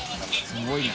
すごいな。